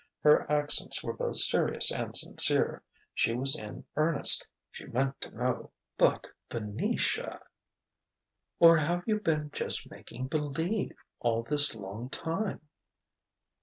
Her accents were both serious and sincere. She was in earnest; she meant to know. "But, Venetia " "Or have you been just making believe, all this long time?"